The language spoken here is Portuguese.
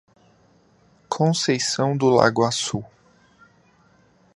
Conceição do Lago Açu